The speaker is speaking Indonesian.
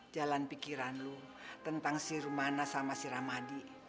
jalan pikiran lo tentang si rumana sama si ramadi